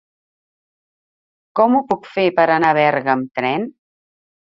Com ho puc fer per anar a Berga amb tren?